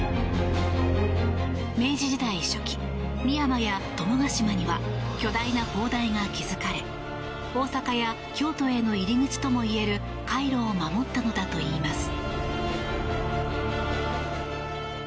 明治時代初期、深山や友ヶ島には巨大な砲台が築かれ大阪や京都への入り口ともいえる海路を守ったのだといいます。